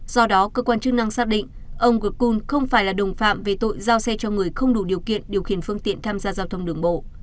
do đó cơ quan chức năng xác định ông gutun không phải là đồng phạm về tội giao xe cho người không đủ điều kiện điều khiển phương tiện tham gia giao thông đường bộ